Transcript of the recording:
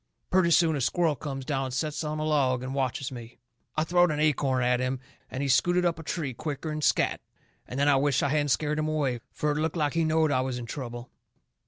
Purty soon a squirrel comes down and sets on a log and watches me. I throwed an acorn at him, and he scooted up a tree quicker'n scatt. And then I wisht I hadn't scared him away, fur it looked like he knowed I was in trouble.